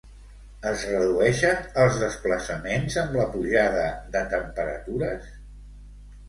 Es redueixen els desplaçaments amb la pujada de temperatures?